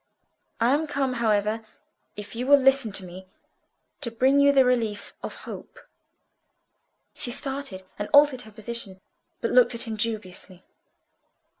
I am come, however, if you will listen to me, to bring you the relief of hope." She started, and altered her position, but looked at him dubiously.